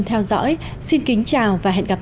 theo dõi xin kính chào và hẹn gặp